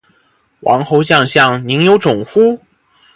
王侯将相，宁有种乎